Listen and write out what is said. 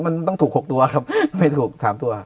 มันต้องถูก๖ตัวครับไม่ถูกสามตัวครับ